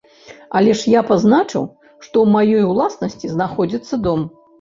Але ж я пазначыў, што ў маёй уласнасці знаходзіцца дом.